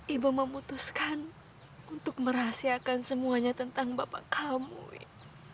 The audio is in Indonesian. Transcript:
ibu memutuskan untuk merahasiakan semuanya tentang bapak kamu ibu